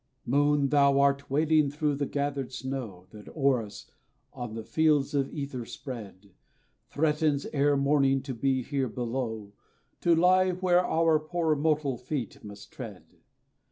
Moon, thou art wading through the gathered snow, That o'er us, on the fields of ether spread, Threatens, ere morning to be here below, To lie where our poor mortal feet must tread.